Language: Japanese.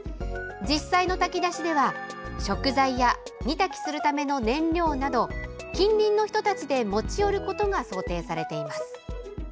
実際の炊き出しでは食材や煮炊きするための燃料など近隣の人たちで持ち寄ることが想定されています。